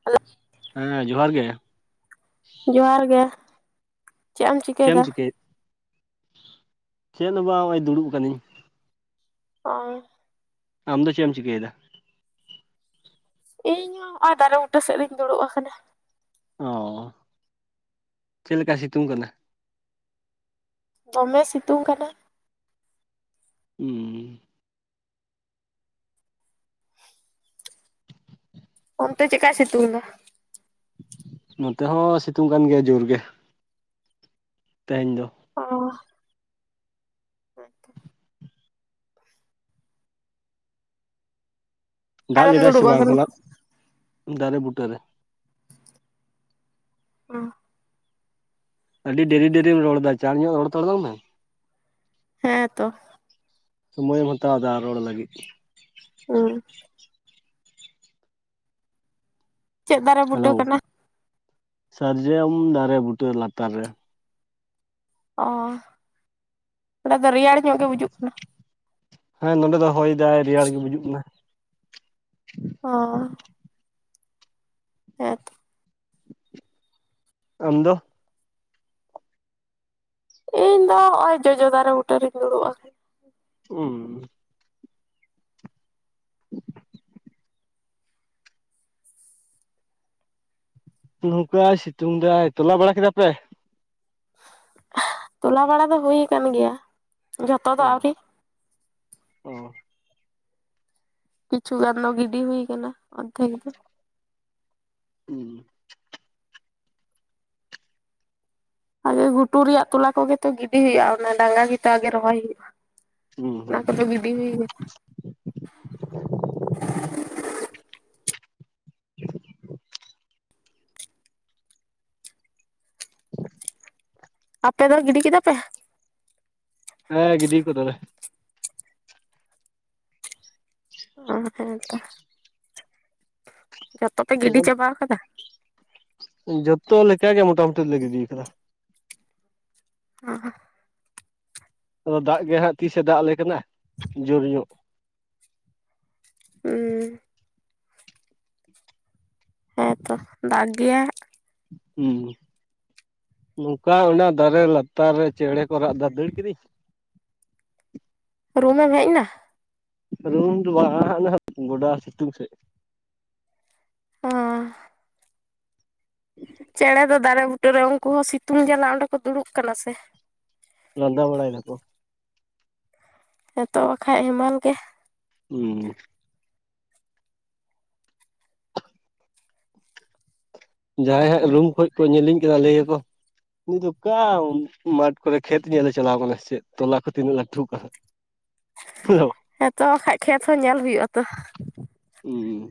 [unintelligible] ᱦᱮᱸ ᱡᱚᱦᱟᱨ ᱜᱮ᱾ ᱡᱚᱦᱟᱨ ᱜᱮ᱾ ᱪᱮᱫ ᱮᱢ ᱪᱮᱢ ᱪᱤᱠᱟᱹᱭᱮᱫᱟ? ᱪᱤᱠᱟᱹᱭᱮᱫ? ᱪᱮᱫ ᱦᱚᱸ ᱵᱟᱝ ᱱᱚᱜ-ᱚᱭ ᱫᱩᱲᱩᱵ ᱟᱠᱟᱱᱤᱧ᱾ ᱚ᱾ ᱟᱢ ᱫᱚ ᱪᱮᱫ ᱮᱢ ᱪᱤᱠᱟᱹᱭ ᱫᱟ? ᱤᱧ ᱦᱚᱸ ᱦᱚᱸᱜ-ᱚᱭ ᱫᱟᱨᱮ ᱵᱩᱴᱟᱹ ᱥᱮᱫ ᱨᱤᱧ ᱫᱩᱲᱩᱵ ᱟᱠᱟᱱᱟ᱾ ᱚᱻᱪᱮᱫ ᱞᱮᱠᱟ ᱥᱤᱛᱩᱝ ᱠᱟᱫᱟ? ᱫᱚᱢᱮ ᱥᱤᱛᱩᱝ ᱠᱟᱱᱟ᱾ ᱩᱸᱸ᱾ ᱚᱱᱛᱮ ᱪᱮᱠᱟᱭ ᱥᱮᱛᱩᱝ ᱫᱟ? ᱱᱚᱛᱮ ᱦᱚᱸ ᱥᱤᱛᱩᱝ ᱠᱟᱱ ᱜᱮᱭᱟ ᱡᱳᱨ ᱜᱮ ᱛᱮᱦᱮᱧ ᱫᱚ᱾ ᱚ ᱦᱮᱸ ᱛᱚ ᱫᱟᱜ ᱚᱠᱟᱨᱮᱢ ᱞᱮᱫᱟᱭ ᱥᱮ ᱫᱩᱲᱩᱵ ᱵᱟᱝ ᱟᱠᱟᱱᱟ? ᱦᱚᱞᱟ? ᱫᱟᱨᱮ ᱵᱩᱴᱟᱹ ᱨᱮ᱾ ᱚ᱾ ᱟᱹᱰᱤ ᱰᱮᱨᱤ ᱰᱮᱨᱤᱢ ᱨᱚᱲ ᱫᱟ, ᱪᱟᱲ ᱧᱚᱜ ᱨᱚᱲ ᱛᱟᱲᱟᱝ ᱢᱮ᱾ ᱦᱮᱸ ᱛᱚ᱾ ᱥᱚᱢᱚᱭᱮᱢ ᱦᱟᱛᱟᱣ ᱫᱟ ᱨᱚᱲ ᱞᱟᱹᱜᱤᱫ᱾ ᱦᱩᱸ᱾ ᱪᱮᱫ ᱫᱟᱨᱟ ᱵᱩᱴᱟᱹ ᱠᱟᱱᱟ? ᱥᱟᱨᱮᱡᱚᱢ ᱫᱟᱨᱮ ᱵᱩᱴᱟᱹ ᱞᱟᱛᱟᱨ ᱨᱮ᱾ ᱚ, ᱚᱰᱮ ᱫᱚ ᱨᱮᱭᱟᱲ ᱧᱚᱜ ᱜᱮ ᱵᱩᱡᱩᱜ ᱠᱟᱱᱟ? ᱦᱮᱸ ᱱᱚᱰᱮ ᱫᱚ ᱦᱚᱭ ᱫᱟᱭ ᱨᱮᱭᱟᱲ ᱜᱮ ᱵᱩᱡᱩᱜ ᱠᱟᱱᱟ᱾ ᱚ᱾ ᱦᱮᱸ ᱛᱚ᱾ ᱟᱢ ᱫᱚ? ᱤᱧ ᱫᱚ ᱱᱚᱜ-ᱚᱭ ᱡᱚᱡᱚ ᱫᱟᱨᱮ ᱵᱩᱴᱟᱹ ᱨᱤᱧ ᱫᱩᱲᱩᱵᱼᱟᱠᱟᱱ᱾ ᱩᱸ᱾ ᱱᱚᱝᱠᱟᱭ ᱥᱤᱛᱩᱝ ᱫᱟᱭ, ᱛᱚᱞᱟ ᱵᱟᱲᱟ ᱠᱮᱫᱟ ᱯᱮ? ᱛᱚᱞᱟ ᱵᱟᱲᱟ ᱫᱚ ᱦᱩᱭ ᱟᱠᱟᱱ ᱜᱮᱭᱟ, ᱡᱷᱚᱛᱚ ᱫᱚ ᱚ ᱟᱹᱣᱨᱤ᱾ ᱚ ᱠᱤᱪᱷᱩ ᱜᱟᱱ ᱫᱚ ᱜᱤᱰᱤ ᱦᱩᱭ ᱟᱠᱟᱱᱟ ᱚᱫᱷᱮᱠ ᱫᱚ᱾ ᱦᱩᱸ᱾ ᱟᱜᱮ ᱜᱷᱩᱴᱩ ᱨᱮᱭᱟᱜ ᱛᱚᱞᱟ ᱠᱚᱜᱮ ᱛᱚ ᱜᱤᱰᱤ ᱦᱩᱭᱩᱜᱼᱟ᱾ ᱚᱱᱟ ᱰᱟᱸᱜᱟ ᱜᱮᱛᱚ ᱟᱜᱮ ᱨᱚᱦᱚᱭ ᱦᱩᱭᱩᱜᱼᱟ᱾ ᱦᱩᱸ ᱚᱱᱟ ᱦᱩᱸ ᱠᱚᱫᱚ ᱵᱤᱰᱤ ᱦᱩᱭᱠᱟᱱᱟ ᱾ ᱟᱯᱮ ᱫᱚ ᱜᱤᱰᱤ ᱠᱮᱫᱟ ᱯᱮ? ᱦᱮᱸ ᱜᱤᱰᱤᱣ ᱠᱟᱫᱟᱞᱮ ᱚ ᱦᱮᱸᱛᱚ ᱡᱚᱛᱚ ᱯᱮ ᱜᱤᱰᱤ ᱱᱚᱜᱼᱚᱭ ᱪᱟᱵᱟ ᱠᱟᱫᱟ᱾ ᱡᱚᱛᱚ ᱞᱮᱠᱟᱜ ᱜᱮ ᱢᱚᱴᱟᱢᱩᱴᱤ ᱞᱮ ᱜᱤᱰᱤ ᱠᱟᱫᱟ᱾ ᱚ ᱦᱚ ᱟᱫᱚ ᱫᱟᱜᱽ ᱜᱮ ᱦᱟᱜ ᱛᱤᱥᱮ ᱫᱟᱜᱽ ᱟᱞᱮ ᱠᱟᱱᱟ ᱡᱩᱨᱧᱚᱜ᱾ ᱦᱩᱸ ᱦᱮᱸ ᱛᱚ ᱫᱟᱜᱽ ᱜᱮᱭᱟ ᱦᱟ ᱦᱩᱸ ᱱᱚᱝᱠᱟ ᱚᱱᱟ ᱫᱟᱨᱮ ᱞᱟᱛᱟᱨ ᱨᱮ ᱪᱮᱬᱮ ᱠᱚ ᱨᱟᱜ ᱫᱟᱹᱲ ᱠᱤᱫᱤᱧ᱾ ᱨᱩᱢᱮᱢ ᱦᱮᱡ ᱱᱟ᱾ ᱨᱩᱢ ᱫᱚ ᱵᱟᱝ ᱦᱟᱱᱮ ᱜᱚᱰᱟ ᱥᱤᱛᱩᱝ ᱥᱮᱫ [unintelligible] ᱪᱮᱬᱮ ᱫᱚ ᱫᱟᱨᱮ ᱵᱩᱴᱟᱹᱨᱮ ᱩᱱᱠᱩ ᱦᱚᱸ ᱥᱤᱛᱩᱝ ᱡᱟᱞᱟ ᱚᱸᱰᱮ ᱠᱚ ᱫᱩᱲᱩᱵ ᱠᱟᱱᱟ ᱥᱮ᱾ ᱞᱟᱸᱫᱟ ᱵᱟᱲᱟ ᱭᱮᱫᱟᱠᱚ᱾ ᱦᱮᱛᱚ ᱵᱟᱠᱷᱟᱡ ᱦᱮᱢᱟᱞ ᱜᱮ᱾ ᱦᱩᱸ ᱡᱟᱦᱟᱸᱭ ᱦᱟᱸᱜ ᱨᱩᱢ ᱠᱷᱚᱡ ᱠᱚ ᱧᱮᱞᱤᱧ ᱠᱟᱱᱟ ᱞᱟᱹᱭᱟᱠᱚ ᱩᱱᱤ ᱫᱚ ᱫᱚᱠᱟ ᱢᱟᱴᱷ ᱠᱚᱨᱮ ᱠᱷᱮᱛ ᱧᱮᱞᱮ ᱪᱟᱞᱟᱣ ᱠᱟᱱᱟ ᱥᱮ ᱪᱮᱫ ᱛᱚᱞᱟ ᱠᱚ ᱛᱤᱱᱟᱹᱜ ᱞᱟᱹᱴᱩᱜ ᱠᱟᱱ [inaudible] ᱦᱮᱞᱳ ᱦᱮᱸᱛᱚ ᱵᱟᱠᱷᱟᱡ ᱠᱷᱮᱛ ᱦᱚᱸ ᱧᱮᱞ ᱦᱩᱭᱩᱜ ᱟ ᱛᱚ᱾ ᱩ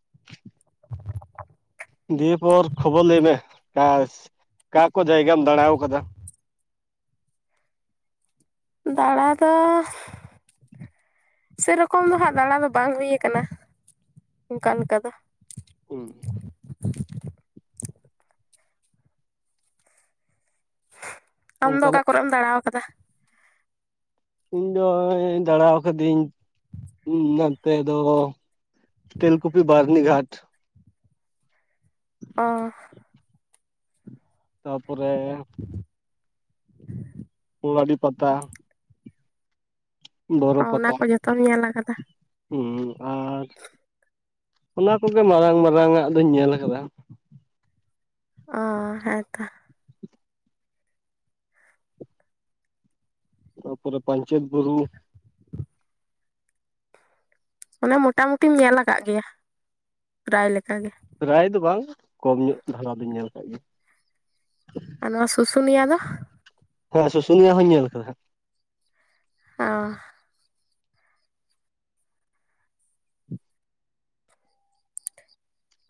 [inaudible] ᱫᱤᱭᱟ ᱯᱚᱨ ᱠᱷᱚᱵᱚᱨ ᱞᱟᱹᱭ ᱢᱮ ᱟᱠᱟᱥ ᱚᱠᱟ ᱠᱚ ᱡᱟᱭᱜᱟᱢ ᱫᱟᱬᱟᱣ ᱠᱟᱫᱟ? ᱫᱟᱬᱟ ᱫᱚ ᱥᱮᱨᱚᱠᱚᱢ ᱫᱚ ᱦᱟᱸᱜ ᱫᱟᱬᱟ ᱫᱚ ᱵᱟᱝ ᱦᱩᱭᱩᱭᱟᱠᱟᱱᱟ ᱚᱱᱠᱟᱞᱮᱠᱟ ᱫᱚ ᱦᱩᱸ [inaudible] ᱟᱢᱫᱚ ᱚᱠᱟ ᱚᱱᱠᱟᱱᱟᱜ ᱠᱚᱨᱮᱢ ᱫᱟᱬᱟᱣ ᱠᱟᱫᱟ? ᱤᱧ ᱫᱚᱧ ᱫᱟᱬᱟᱣ ᱠᱟᱹᱫᱟᱹᱧ ᱱᱚᱛᱮ ᱫᱚ ᱛᱮᱞᱠᱩᱯᱤ ᱵᱟᱨᱱᱤ ᱜᱷᱟᱴ ᱚ ᱛᱟᱯᱚᱨᱮ ᱯᱚᱲᱟᱹᱰᱤ ᱯᱟᱛᱟ ᱚ ᱚᱱᱟ ᱠᱚ ᱡᱚᱛᱚᱢ ᱧᱮᱞ ᱟᱠᱟᱫᱟ ᱦᱩ ᱟᱨ ᱚᱱᱟ ᱠᱚᱜᱮ ᱢᱟᱨᱟᱝ ᱢᱟᱨᱟᱝ ᱟᱜ ᱫᱚᱧ ᱧᱮᱞ ᱟᱠᱟᱫᱟ ᱚ ᱦᱮᱸᱛᱚ ᱛᱟ ᱯᱚᱨᱮ ᱯᱟᱹᱧᱪᱮᱛ ᱵᱩᱨᱩ ᱚᱱᱮ ᱢᱚᱴᱟ ᱢᱩᱴᱤᱢ ᱧᱮᱞ ᱟᱠᱟᱫ ᱜᱮᱭᱟ ᱯᱮᱨᱟᱭ ᱞᱮᱠᱟ ᱜᱮ ᱯᱮᱨᱟᱭ ᱫᱚ ᱵᱟᱝ ᱠᱚᱢ ᱧᱚᱜ ᱫᱷᱟᱨᱟ ᱫᱚᱧ ᱧᱮᱞ ᱟᱠᱟᱜ ᱜᱮᱭᱟ ᱟᱨ ᱱᱚᱣᱟ ᱥᱩᱥᱩᱱᱤᱭᱟᱹ ᱫᱚ ᱦᱮᱸ ᱥᱩᱥᱩᱱᱤᱭᱟᱹ ᱦᱚᱸᱧ ᱧᱮᱞ ᱟᱠᱟᱫᱟ ᱚ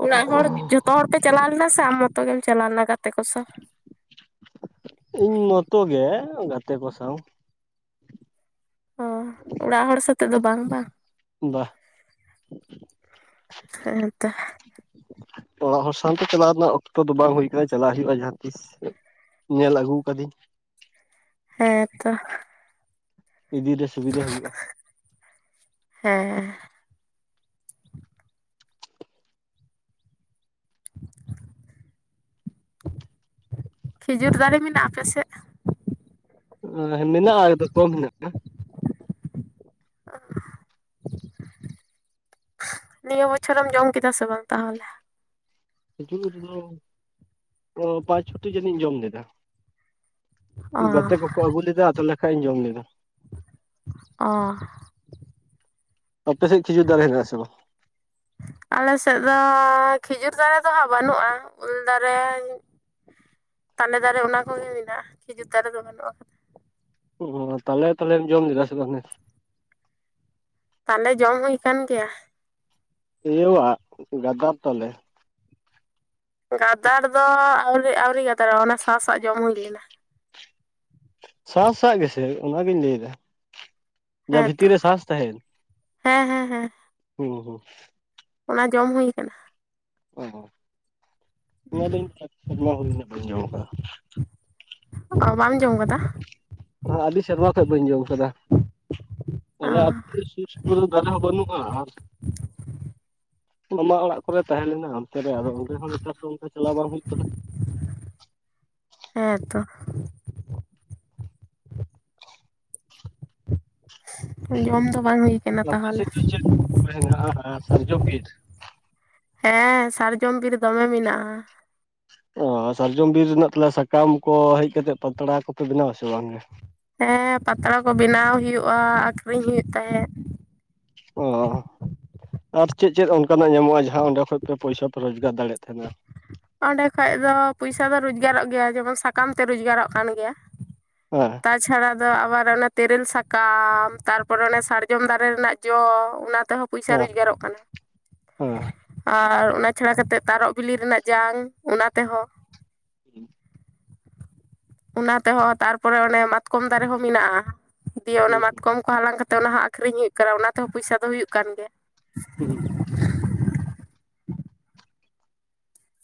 ᱚᱲᱟᱜ ᱦᱚᱲ ᱡᱚᱛᱚ ᱦᱚᱲ ᱯᱮ ᱪᱟᱞᱟᱣ ᱞᱮᱱᱟ ᱥᱮ ᱟᱢ ᱢᱚᱛᱚ ᱜᱮᱢ ᱪᱟᱞᱟᱣ ᱞᱮᱱᱟ ᱜᱟᱛᱮ ᱠᱚ ᱥᱟᱶ ᱤᱧ ᱢᱚᱛᱚ ᱜᱮ ᱜᱟᱛᱮ ᱠᱚ ᱥᱟᱶ ᱚ ᱚᱲᱟᱜ ᱦᱚᱲ ᱥᱟᱛᱮᱜ ᱫᱚ ᱵᱟᱝ ᱵᱟᱝ ᱵᱟᱦ ᱦᱮᱸᱛᱚ ᱚᱲᱟᱜ ᱦᱚᱲ ᱥᱟᱶᱛᱮ ᱪᱟᱞᱟᱣ ᱨᱮᱱᱟᱜ ᱚᱠᱛᱚ ᱫᱚ ᱵᱟᱝ ᱦᱩᱭ ᱠᱟᱱᱟ ᱪᱟᱞᱟᱜ ᱦᱩᱭᱩᱜᱼᱟ ᱡᱟᱦᱟᱸ ᱛᱤᱥ ᱧᱮᱞ ᱟᱹᱜᱩ ᱠᱟᱫᱤᱧ ᱦᱮᱸ ᱛᱚ ᱤᱫᱤ ᱨᱮ ᱥᱩᱵᱤᱫᱷᱟ ᱦᱩᱭᱩᱜᱼᱟ ᱦᱮᱸ [inaudible] ᱠᱷᱤᱡᱩᱨ ᱫᱟᱨᱮ ᱢᱮᱱᱟᱜᱼᱟ ᱟᱯᱮᱥᱮᱜ ᱢᱮᱱᱟᱜᱼᱟ ᱮᱠᱫᱚᱢ ᱠᱚᱢ ᱦᱮᱱᱟᱜᱼᱟ ᱱᱤᱭᱟᱹ ᱵᱚᱪᱷᱚᱨᱮᱢ ᱡᱚᱢ ᱠᱮᱫᱟ ᱥᱮ ᱵᱟᱝ ᱛᱟᱦᱚᱞᱮ ᱦᱤᱡᱩᱜ ᱨᱮᱫᱚ ᱯᱚ ᱯᱟᱸᱪ ᱪᱷᱚᱴᱤ ᱡᱟᱹᱱᱤᱡ ᱤᱧ ᱡᱚᱢ ᱞᱮᱫᱟ ᱚ ᱜᱟᱛᱮ ᱠᱚᱠᱚ ᱟᱹᱜᱩ ᱞᱮᱫᱟ ᱛᱟᱦᱚᱞᱮ ᱠᱷᱟᱡ ᱤᱧ ᱡᱚᱢ ᱞᱮᱫᱟ ᱚ ᱟᱯᱮ ᱥᱮᱜ ᱠᱷᱤᱡᱩᱨ ᱫᱟᱨᱮ ᱦᱮᱱᱟᱜᱼᱟ ᱥᱮ ᱵᱟᱝ ᱟᱞᱮ ᱥᱮᱫ ᱫᱚ ᱠᱷᱤᱡᱩᱨ ᱫᱟᱨᱮ ᱫᱚ ᱦᱟᱸᱜ ᱵᱟᱹᱱᱩᱜᱼᱟ ᱩᱞ ᱫᱟᱨᱮ ᱛᱟᱱᱮ ᱫᱟᱨᱮ ᱚᱱᱟ ᱠᱚᱜᱮ ᱢᱮᱱᱟᱜᱼᱟ ᱠᱷᱤᱡᱩᱨ ᱫᱟᱨᱮ ᱫᱚ ᱵᱟᱹᱱᱩᱜᱼᱟ ᱚ ᱛᱟᱦᱚᱞᱮ ᱛᱟᱞᱮᱢ ᱡᱚᱢ ᱞᱮᱫᱟ ᱥᱮ ᱵᱟᱝᱟ ᱛᱟᱞᱮ ᱡᱚᱢ ᱦᱩᱭ ᱠᱟᱱ ᱜᱮᱭᱟ ᱤᱭᱟᱹᱣᱟᱜ ᱜᱟᱫᱟᱨ ᱛᱟᱞᱮ ᱜᱟᱫᱟᱲ ᱫᱚ ᱟᱹᱣᱨᱤ ᱟᱹᱣᱨᱤ ᱜᱟᱫᱟᱨᱚᱜᱼᱟ ᱚᱱᱟ ᱥᱟᱸᱥᱟᱜ ᱡᱚᱢ ᱦᱩᱭ ᱞᱮᱱᱟ ᱥᱟ ᱥᱟᱜ ᱜᱮᱥᱮ ᱚᱱᱟᱜᱤᱧ ᱞᱮᱭᱫᱟ ᱦᱮᱸ ᱛᱚ ᱦᱮᱸ ᱦᱮᱸ ᱦᱮᱸ ᱦᱩᱸ ᱦᱩᱸ ᱚᱱᱟ ᱡᱚᱢ ᱦᱩᱭ ᱠᱟᱱᱟ ᱚ ᱚᱱᱟᱫᱩᱧ ᱟᱹᱰᱤ ᱥᱮᱨᱢᱟ ᱦᱩᱭᱱᱟ ᱵᱟᱹᱧ ᱡᱚᱢ ᱟᱠᱟᱫᱟ ᱚ ᱵᱟᱢ ᱡᱚᱢ ᱟᱠᱟᱫᱟ ᱟ ᱟᱹᱰᱤ ᱥᱮᱨᱢᱟ ᱠᱷᱚᱡ ᱵᱟᱹᱧ ᱡᱚᱢ ᱟᱠᱟᱫᱟ ᱾ ᱛᱟᱦᱞᱮ ᱚ ᱟᱹᱛᱩ ᱥᱩᱨ ᱥᱩᱯᱩᱨ ᱨᱮ ᱫᱟᱨᱮ ᱦᱚᱸ ᱵᱟᱹᱱᱩᱜᱼᱟ ᱟᱨ ᱢᱟᱢᱟ ᱚᱲᱟᱜ ᱠᱚᱨᱮ ᱛᱟᱦᱮᱸ ᱞᱮᱱᱟ ᱚᱱᱛᱮ ᱨᱮ ᱟᱫᱚ ᱚᱸᱰᱮ ᱦᱚᱸ ᱱᱮᱛᱟᱨ ᱫᱚ ᱚᱱᱠᱟ ᱪᱟᱞᱟᱣ ᱵᱟᱝ ᱦᱩᱭᱩᱜ ᱠᱟᱱᱟ᱾ ᱦᱮᱸ ᱛᱚ ᱾ ᱡᱚᱢ ᱫᱚ ᱵᱟᱝ ᱦᱩᱭ ᱠᱟᱱᱟ ᱟᱯᱮ ᱛᱟᱦᱚᱞᱮ ᱥᱮᱫ ᱫᱚ ᱪᱮᱫ ᱵᱤᱨ ᱢᱮᱱᱟᱜᱼᱟ ᱚᱱᱟ ᱥᱟᱨᱡᱚᱢ ᱵᱤᱨ ᱾ ᱦᱮᱸ ᱥᱟᱨᱡᱚᱢ ᱵᱤᱨ ᱫᱚᱢᱮ ᱢᱮᱱᱟᱜᱼᱟ ᱾ ᱚ ᱥᱟᱨᱡᱚᱢ ᱵᱤᱨ ᱨᱮᱱᱟᱜ ᱛᱟᱦᱚᱞᱮ ᱥᱟᱠᱟᱢ ᱠᱚ ᱦᱮᱡᱽ ᱠᱟᱛᱮᱜ ᱯᱟᱛᱲᱟ ᱠᱚᱯᱮ ᱵᱮᱱᱟᱣ ᱟᱥᱮ ᱵᱟᱝᱜᱮ? ᱦᱮᱸ ᱯᱟᱛᱲᱟ ᱠᱚ ᱵᱮᱱᱟᱣ ᱦᱩᱭᱩᱜᱼᱟ ᱟᱠᱷᱨᱤᱧ ᱦᱩᱭᱩᱜ ᱛᱟᱦᱮᱸᱫ ᱚ ᱟᱨ ᱪᱮᱫ ᱪᱮᱫ ᱚᱱᱠᱟᱱᱟᱜ ᱧᱟᱢᱚᱜᱼᱟ ᱡᱟᱦᱟᱸ ᱚᱸᱰᱮ ᱠᱷᱚᱡᱽ ᱯᱮ ᱯᱚᱭᱥᱟ ᱯᱮ ᱨᱚᱡᱽᱜᱟᱨ ᱫᱟᱲᱮᱭᱟᱜ ᱛᱟᱦᱮᱱᱟ᱾ ᱚᱸᱰᱮ ᱠᱷᱚᱡᱽ ᱫᱚ ᱯᱚᱭᱥᱟ ᱫᱚ ᱨᱚᱡᱽᱜᱟᱨᱚᱜ ᱜᱮᱭᱟ ᱡᱮᱢᱚᱱ ᱥᱟᱠᱟᱢ ᱛᱮ ᱨᱚᱡᱽᱜᱟᱨᱚᱜ ᱠᱟᱱ ᱜᱮᱭᱟ᱾ ᱦᱮᱸ ᱛᱟᱪᱷᱟᱲᱟ ᱫᱚ ᱟᱵᱟᱨ ᱚᱱᱮ ᱛᱮᱨᱮᱞ ᱥᱟᱠᱟᱢ ᱛᱟᱨᱯᱚᱨ ᱚᱱᱮ ᱥᱟᱨᱡᱚᱢ ᱫᱟᱨᱮ ᱨᱮᱱᱟᱜ ᱡᱚ ᱚᱱᱟ ᱛᱮᱦᱚᱸ ᱯᱚᱭᱥᱟ ᱦᱮᱸ ᱨᱚᱡᱽᱜᱟᱨᱚᱜ ᱠᱟᱱᱟ᱾ ᱦᱮᱸ ᱟᱨ ᱚᱱᱟ ᱪᱷᱟᱲᱟ ᱠᱟᱛᱮᱫ ᱛᱟᱨᱚᱵᱽ ᱵᱤᱞᱤ ᱨᱮᱱᱟᱜ ᱡᱟᱝ ᱚᱱᱟ ᱛᱮᱦᱚᱸ [unintelligible] ᱚᱱᱟ ᱛᱮᱦᱚᱸ ᱛᱟᱨᱯᱚᱨᱮ ᱚᱱᱮ ᱢᱟᱛᱠᱚᱢ ᱫᱟᱨᱮ ᱦᱚᱸ ᱢᱮᱱᱟᱜᱼᱟ ᱫᱤᱭᱮ ᱚᱱᱟ ᱢᱟᱛᱠᱚᱢ ᱠᱚ ᱦᱟᱞᱟᱝ ᱠᱟᱛᱮᱜ ᱚᱱᱟ ᱦᱚᱸ ᱟᱠᱷᱨᱤᱧ ᱦᱩᱭᱩᱜ ᱠᱟᱱᱟ ᱚᱱᱟ ᱛᱮᱦᱚᱸ ᱯᱚᱭᱥᱟ ᱫᱚ ᱦᱩᱭᱩᱜ ᱠᱟᱱ ᱜᱮᱭᱟ᱾ ᱦᱩᱸ ᱦᱩᱸ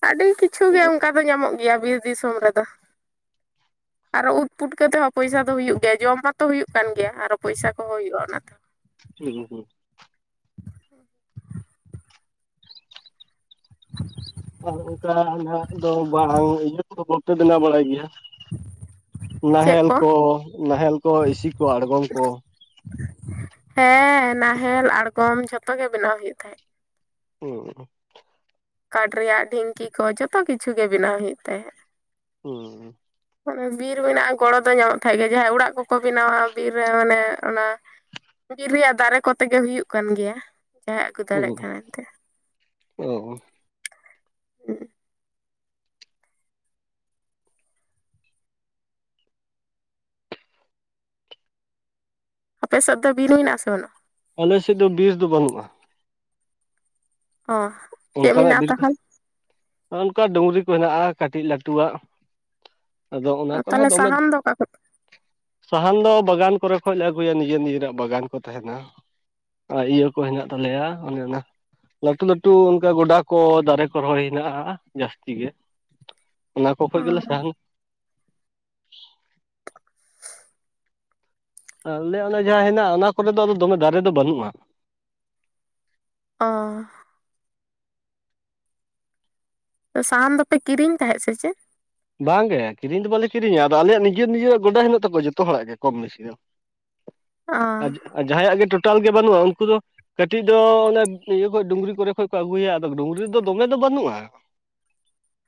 ᱟᱹᱰᱤ ᱠᱤᱪᱷᱩ ᱜᱮ ᱚᱝᱠᱟ ᱫᱚ ᱧᱟᱢᱚᱜ ᱜᱮᱭᱟ ᱵᱤᱨ ᱫᱤᱥᱚᱢ ᱨᱮᱫᱚ᱾ ᱟᱨᱚ ᱩᱫ ᱯᱩᱴᱠᱟᱹ ᱛᱮ ᱦᱚᱸ ᱯᱚᱭᱥᱟ ᱫᱚ ᱦᱩᱭᱩᱜ ᱜᱮᱭᱟ ᱡᱚᱢ ᱦᱚᱛᱚ ᱦᱩᱭᱩᱜ ᱠᱟᱱ ᱜᱮᱭᱟ ᱟᱨᱚ ᱯᱚᱭᱥᱟ ᱠᱚᱦᱚᱸ ᱦᱩᱭᱩᱜᱼᱟ ᱚᱱᱟ ᱛᱮᱦᱚᱸ᱾ ᱦᱩᱸ ᱦᱩᱸ ᱟᱨ ᱚᱝᱠᱟᱱᱟᱜ ᱫᱚ ᱵᱟᱝ ᱤᱭᱟᱹ ᱠᱚᱫᱚ ᱵᱟᱯᱮ ᱵᱮᱱᱟᱣ ᱵᱟᱲᱟᱭ ᱜᱮᱭᱟ᱾ ᱱᱟᱦᱮᱞ ᱠᱚ ᱱᱟᱦᱮᱞ ᱠᱚ ᱤᱥᱤ ᱠᱚ ᱟᱬᱜᱚᱢ ᱠᱚ ᱦᱮᱸ ᱱᱟᱦᱮᱞ ᱟᱬᱜᱚᱢ ᱡᱷᱚᱛᱚ ᱜᱮ ᱵᱮᱱᱟᱣ ᱦᱩᱭᱩᱜ ᱛᱟᱦᱮᱸᱫ᱾ ᱦᱩᱸ ᱠᱟᱴ ᱨᱮᱭᱟᱜ ᱰᱷᱤᱝᱠᱤ ᱠᱚ ᱡᱚᱛᱚ ᱠᱤᱪᱷᱩ ᱜᱮ ᱵᱮᱱᱟᱣ ᱦᱩᱭᱩᱜ ᱛᱟᱦᱮᱸᱫ᱾ ᱦᱩᱸ ᱵᱤᱨ ᱢᱮᱱᱟᱜᱼᱟ ᱜᱚᱲᱚ ᱫᱚ ᱧᱟᱢᱚᱜ ᱛᱟᱦᱮᱸᱫ ᱜᱮᱭᱟ ᱡᱟᱦᱟᱸᱭ ᱚᱲᱟᱜ ᱠᱚᱠᱚ ᱵᱮᱱᱟᱣᱟ ᱵᱤᱨ ᱨᱮ ᱢᱟᱱᱮ ᱚᱱᱟ ᱵᱤᱨ ᱨᱮᱭᱟᱜ ᱫᱟᱨᱮ ᱠᱚᱛᱮ ᱜᱮ ᱦᱩᱭᱩᱜ ᱠᱟᱱ ᱜᱮᱭᱟ ᱡᱟᱦᱟᱸᱭ ᱟᱹᱜᱩ ᱫᱟᱲᱮᱜ ᱦᱩᱸ ᱠᱷᱟᱱᱮ ᱮᱱᱛᱮ᱾ ᱚ ᱦᱩᱸ ᱟᱯᱮ ᱥᱮᱫ ᱫᱚ ᱵᱤᱨ ᱢᱮᱱᱟᱜᱼᱟ ᱥᱮ ᱵᱟᱹᱱᱩᱜᱼᱟ? ᱟᱞᱮ ᱥᱮᱫᱽ ᱫᱚ ᱵᱤᱨ ᱫᱚ ᱵᱟᱹᱱᱩᱜᱼᱟ᱾ ᱚ ᱪᱮᱫ ᱚᱱᱠᱟᱱᱟᱜ ᱢᱮᱱᱟᱜᱼᱟ ᱵᱤᱨ ᱠᱚ, ᱛᱟᱦᱚᱞᱮ ᱚᱱᱠᱟ ᱰᱩᱝᱨᱤ ᱠᱚ ᱦᱮᱱᱟᱜᱼᱟ ᱠᱟᱹᱴᱤᱡᱽ ᱞᱟᱹᱴᱩ ᱣᱟᱜ᱾ ᱟᱫᱚ ᱚᱱᱟ ᱠᱚᱨᱮ ᱦᱚᱸ ᱛᱟᱦᱚᱞᱮ ᱫᱚᱢᱮ ᱥᱟᱦᱟᱱ ᱫᱚ ᱚᱠᱟ ᱠᱷᱚᱡ ᱥᱟᱦᱟᱱ ᱫᱚ ᱵᱟᱜᱟᱱ ᱠᱚᱨᱮ ᱠᱷᱚᱡ ᱞᱮ ᱟᱹᱜᱩᱭᱟ ᱱᱤᱡᱮᱨ ᱱᱤᱡᱮᱨᱟᱜ ᱵᱟᱜᱟᱱ ᱠᱚ ᱛᱟᱦᱮᱸᱱᱟ᱾ ᱟᱭ ᱤᱭᱟᱹ ᱠᱚ ᱦᱮᱱᱟᱜ ᱛᱟᱞᱮᱭᱟ ᱚᱱᱮ ᱚᱱᱟ ᱞᱟᱹᱴᱩ ᱞᱟᱹᱴ ᱴᱩ ᱚᱱᱠᱟ ᱜᱚᱰᱟ ᱠᱚ ᱫᱟᱨᱮ ᱠᱚ ᱨᱚᱦᱚᱭ ᱦᱮᱱᱟᱜᱼᱟ ᱡᱟᱹᱥᱛᱤ ᱜᱮ᱾ ᱚᱱᱟ ᱠᱚ ᱚ ᱠᱷᱚᱡ ᱜᱮᱞᱮ ᱥᱟᱦᱟᱱᱟ᱾ ᱟᱞᱮ ᱚᱱᱮ ᱡᱟᱦᱟᱸ ᱦᱮᱱᱟᱜ ᱚᱱᱟ ᱠᱚᱨᱮ ᱫᱚ ᱟᱫᱚ ᱫᱚᱢᱮ ᱫᱟᱨᱮ ᱫᱚ ᱵᱟᱹᱱᱩᱜᱼᱟ᱾ ᱚ ᱥᱟᱦᱟᱱ ᱫᱚᱯᱮ ᱠᱤᱨᱤᱧ ᱛᱟᱦᱮᱸᱫ ᱥᱮ ᱪᱮᱫ? ᱵᱟᱝ ᱜᱮ ᱠᱤᱨᱤᱧ ᱫᱚ ᱵᱟᱞᱮ ᱠᱤᱨᱤᱧᱟ ᱟᱫᱚ ᱟᱞᱮᱭᱟᱜ ᱱᱤᱡᱮᱨ ᱱᱤᱡᱮᱨᱟᱜ ᱜᱚᱰᱟ ᱦᱮᱱᱟᱜ ᱛᱟᱠᱚᱣᱟ ᱡᱚᱛᱚ ᱦᱚᱲᱟᱜ ᱜᱮ ᱠᱚᱢ ᱵᱮᱥᱤ ᱫᱚ᱾ ᱚ ᱟᱨ ᱡᱟᱦᱟᱸᱭᱟᱜ ᱜᱮ ᱴᱳᱴᱟᱞ ᱜᱮ ᱵᱟᱹᱱᱩᱜᱼᱟ ᱩᱱᱠᱩ ᱫᱚ ᱠᱟᱹᱴᱤᱡᱽ ᱫᱚ ᱚᱱᱮ ᱤᱭᱟᱹ ᱠᱷᱚᱡ ᱰᱩᱝᱨᱤ ᱠᱚᱨᱮ ᱠᱷᱚᱱ ᱠᱚ ᱟᱹᱜᱩᱭᱟ ᱟᱫᱚ ᱰᱩᱝᱨᱤ ᱨᱮᱫᱚ ᱫᱚᱢᱮ ᱫᱚ ᱵᱟᱹᱱᱩᱜᱼᱟ᱾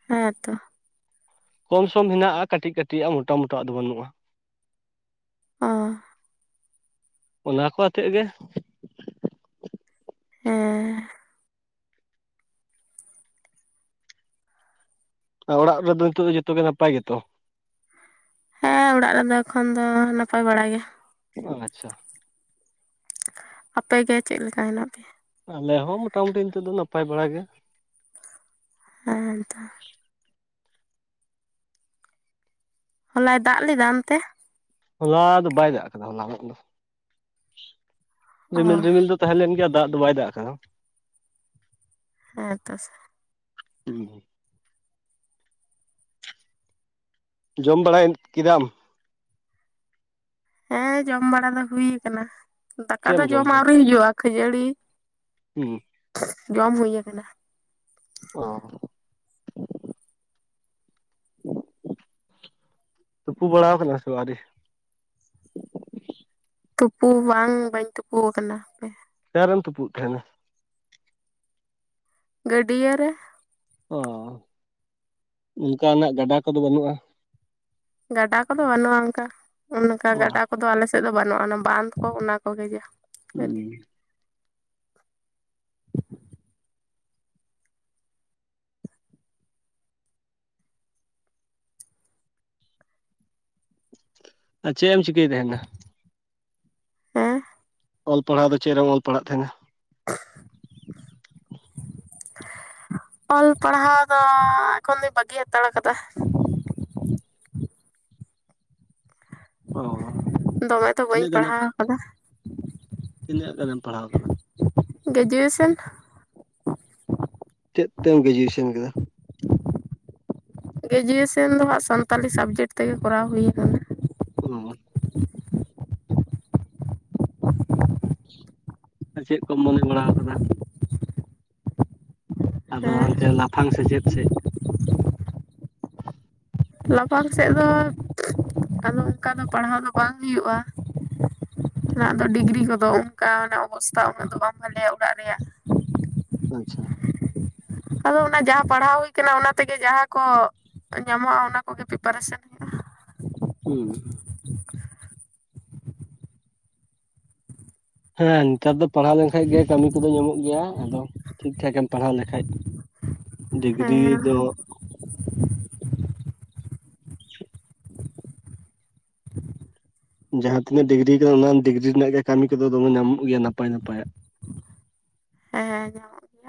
ᱦᱮᱸ ᱛᱚ᱾ ᱠᱚᱢ ᱥᱚᱢ ᱦᱮᱱᱟᱜᱼᱟ ᱠᱟᱹᱴᱤᱡᱽ ᱠᱟᱹᱴᱤᱡᱽ ᱟᱜ ᱢᱚᱴᱟ ᱢᱚᱴᱟᱦᱟᱜ ᱫᱚ ᱵᱟᱹᱱᱩᱜᱼᱟ᱾ ᱚ ᱚᱱᱟ ᱠᱚ ᱟᱛᱮᱫ ᱜᱮ᱾ ᱦᱮᱸ ᱟᱨ ᱚᱲᱟᱜ ᱨᱮᱫᱚ ᱱᱤᱛᱚᱜ ᱫᱚ ᱡᱚᱛᱚ ᱜᱮ ᱱᱟᱯᱟᱭ ᱜᱮᱛᱚ? ᱦᱮᱸ ᱚᱲᱟᱜ ᱨᱮᱱᱫᱚ ᱮᱠᱷᱚᱱ ᱫᱚ ᱱᱟᱯᱟᱭ ᱵᱟᱲᱟ ᱜᱮ᱾ ᱟᱪᱪᱷᱟ ᱟᱯᱮ ᱜᱮ ᱪᱮᱫ ᱞᱮᱠᱟ ᱦᱮᱱᱟᱜ ᱯᱮᱭᱟ? ᱟᱞᱮ ᱦᱚᱸ ᱢᱚᱴᱟᱢᱩᱴᱤ ᱱᱤᱛᱚᱜ ᱫᱚ ᱱᱟᱯᱟᱭ ᱵᱟᱲᱟ ᱜᱮ᱾ ᱦᱮᱸ ᱛᱚ ᱦᱚᱞᱟᱭ ᱫᱟᱜ ᱞᱮᱫᱟ ᱚᱱᱛᱮ? ᱦᱚᱞᱟ ᱫᱚ ᱵᱟᱭ ᱫᱟᱜ ᱠᱟᱫᱟ ᱦᱚᱞᱟᱱᱚᱜ ᱫᱚ ᱚ ᱨᱤᱢᱤᱞ ᱨᱤᱢᱤᱞ ᱫᱚ ᱛᱟᱦᱮᱸ ᱞᱮᱱ ᱜᱮᱭᱟ, ᱫᱟᱜ ᱫᱚ ᱵᱟᱭ ᱫᱟᱜ ᱠᱟᱫᱟ᱾ ᱦᱮᱸ ᱛᱚ ᱦᱩᱸ ᱡᱚᱢ ᱵᱟᱲᱟᱭᱮᱱ ᱠᱤᱫᱟᱢ? ᱦᱮᱸ ᱡᱚᱢ ᱵᱟᱲᱟ ᱫᱚ ᱦᱩᱭ ᱠᱟᱱᱟ, ᱫᱟᱠᱟ ᱪᱮᱫ ᱫᱚ ᱮᱢ ᱡᱚᱢ ᱟᱠᱟᱫᱟ ᱟᱹᱣᱨᱤ ᱦᱩᱭᱩᱜᱼᱟ ᱠᱷᱟᱹᱡᱟᱹᱲᱤ ᱦᱩᱸ ᱡᱚᱢ ᱦᱩᱭ ᱟᱠᱟᱱᱟ᱾ ᱚ ᱛᱩᱯᱩ ᱵᱟᱲᱟᱣ ᱠᱟᱱᱟ ᱥᱮ ᱟᱹᱣᱨᱤ? ᱛᱩᱯᱩ ᱵᱟᱝ ᱵᱟᱹᱧ ᱛᱩᱯᱩᱣ ᱠᱟᱱᱟ, ᱦᱟᱯᱮ ᱚᱠᱟ ᱨᱮᱢ ᱛᱩᱯᱩᱫ ᱛᱟᱦᱮᱸᱱᱟ? ᱜᱟᱹᱰᱭᱟᱹ ᱨᱮ᱾ ᱚ, ᱩᱝᱠᱟᱱᱟᱜ ᱜᱟᱰᱟ ᱠᱚᱫᱚ ᱵᱟᱹᱱᱩᱜᱼᱟ? ᱜᱟᱰᱟ ᱠᱚᱫᱚ ᱵᱟᱹᱱᱩᱜᱼᱟ ᱩᱝᱠᱟ ᱚᱱᱠᱟ ᱜᱟᱰᱟᱠ ᱠᱚᱫᱚ ᱟᱞᱮ ᱥᱮᱫ ᱫᱚ ᱵᱟᱹᱱᱩᱜᱼᱟ, ᱚᱱᱟ ᱵᱟᱱᱫᱷ ᱠᱚ ᱚᱱᱟ ᱠᱚᱜᱮ ᱡᱟ ᱠᱷᱟᱹᱞᱤ᱾ ᱟᱨ ᱪᱮᱜ ᱮᱢ ᱪᱤᱠᱟᱹᱭ ᱛᱮᱦᱮᱱᱟ? ᱦᱮᱸ ᱚᱞ ᱯᱟᱲᱦᱟᱣ ᱫᱚ ᱪᱮᱫ ᱨᱮᱢ ᱚᱞ ᱯᱟᱲᱦᱟᱜ ᱛᱟᱦᱮᱱᱟ? [inaudible] ᱚᱞ ᱯᱟᱲᱦᱟᱣ ᱫᱚ ᱮᱠᱷᱚᱱ ᱫᱚ ᱵᱟᱹᱜᱤ ᱦᱟᱛᱟᱲ ᱠᱟᱫᱟ᱾ ᱚ ᱫᱚᱢᱮ ᱫᱚ ᱵᱟᱹᱧ ᱛᱤᱱᱟᱹᱜ ᱜᱟᱱᱮᱢ ᱯᱟᱲᱦᱟᱣ ᱠᱟᱫᱟ᱾ ᱛᱤᱱᱟᱹᱜ ᱜᱟᱱᱮᱢ ᱯᱟᱲᱦᱟᱣ ᱠᱟᱫᱟ? ᱜᱮᱡᱩᱭᱮᱥᱮᱱ ᱪᱮᱫ ᱛᱮᱢ ᱜᱮᱡᱩᱭᱮᱥᱮᱱ ᱠᱮᱫᱟ? ᱜᱮᱡᱩᱭᱮᱥᱚᱱ ᱫᱚ ᱦᱟᱸᱜ ᱥᱟᱱᱛᱟᱞᱤ ᱥᱟᱵᱽᱡᱮᱠᱴ ᱛᱮᱜᱮ ᱠᱚᱨᱟᱣ ᱦᱩᱭ ᱠᱟᱱᱟ᱾ ᱚ ᱟᱨ ᱪᱮᱫ ᱠᱚᱢ ᱢᱚᱱᱮ ᱵᱟᱲᱟᱣ ᱠᱟᱫᱟ? ᱟᱫᱚ ᱦᱮᱸ ᱦᱚᱱᱛᱮ ᱞᱟᱯᱷᱟᱝ ᱥᱮᱪᱮᱫ ᱥᱮᱫ? ᱞᱟᱯᱷᱟᱝ ᱥᱮᱫ ᱫᱚ ᱟᱫᱚ ᱚᱝᱠᱟ ᱫᱚ ᱯᱟᱲᱦᱟᱣ ᱫᱚ ᱵᱟᱝ ᱦᱩᱭᱩᱜᱼᱟ᱾ ᱩᱱᱟᱹᱜ ᱫᱚ ᱰᱤᱜᱽᱨᱤ ᱠᱚᱫᱚ ᱚᱝᱠᱟᱱᱟᱜ ᱚᱵᱚᱥᱛᱷᱟ ᱩᱱᱟᱹᱜ ᱫᱚ ᱵᱟᱝ ᱵᱷᱟᱞᱮᱭᱟ ᱚᱲᱟᱜ ᱨᱮᱭᱟᱜ᱾ ᱟᱪᱪᱷᱟ ᱟᱫᱚ ᱚᱱᱟ ᱡᱟᱦᱟᱸ ᱯᱟᱲᱦᱟᱣ ᱦᱩᱭ ᱠᱟᱱᱟ ᱚᱱᱟ ᱛᱮᱜᱮ ᱡᱟᱦᱟᱸ ᱠᱚ ᱧᱟᱢᱚᱜᱼᱟ ᱚᱱᱟ ᱠᱚᱜᱮ ᱯᱤᱯᱟᱨᱮᱥᱟᱱ ᱩᱸ ᱦᱮᱸ ᱱᱮᱛᱟᱨ ᱫᱚ ᱯᱟᱲᱦᱟᱣ ᱞᱮᱱᱠᱷᱟᱡ ᱜᱮ ᱠᱟᱹᱢᱤ ᱠᱚᱫᱚ ᱧᱟᱢᱚᱜ ᱜᱮᱭᱟ, ᱟᱫᱚ ᱴᱷᱤᱠ ᱴᱷᱟᱠᱮᱢ ᱯᱟᱲᱦᱟᱣ ᱞᱮᱠᱷᱟᱡ᱾ ᱰᱤᱜᱽᱨᱤ ᱦᱮᱸ ᱫᱚ ᱡᱟᱦᱟᱸ ᱛᱤᱱᱟᱹᱜ ᱰᱤᱜᱽᱨᱤ ᱠᱟᱫᱟᱢ ᱚᱱᱟ ᱰᱤᱜᱽᱨᱤ ᱨᱮᱱᱟᱜ ᱜᱮ ᱠᱟᱹᱢᱤ ᱠᱚᱫᱚ ᱫᱚᱢᱮ ᱧᱟᱢᱚᱜ ᱜᱮᱭᱟ ᱱᱟᱯᱟᱭ ᱱᱟᱯᱟᱭᱟᱜ᱾ ᱦᱮᱸ ᱧᱟᱢᱚᱜ ᱜᱮᱭᱟ